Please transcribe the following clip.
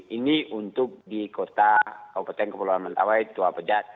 ini untuk di kota kabupaten kepulauan mentawai tua pejat